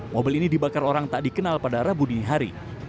mobil ini dibakar orang tak dikenal pada rabu dinihari